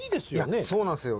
いやそうなんですよ。